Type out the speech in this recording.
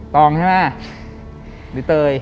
ตองใช่ไหมหรือเตย